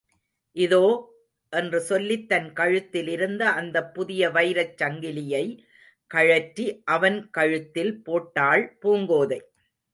இதோ! என்று சொல்லித் தன் கழுத்திலிருந்த அந்தப் புதிய வைரச் சங்கிலியை கழற்றி அவன் கழுத்தில் போட்டாள் பூங்கோதை.